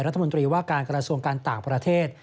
รัฐมนตรีว่าการกระทรวงการต่างประเทศ